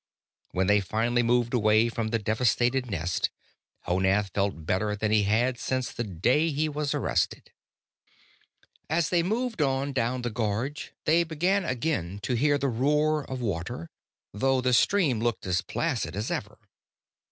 When they finally moved away from the devastated nest, Honath felt better than he had since the day he was arrested. As they moved on down the gorge, they began again to hear the roar of water, though the stream looked as placid as ever.